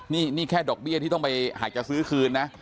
นี่แค่ดอกเบี้ยที่ต้องไปหากจะซื้อคืนนะ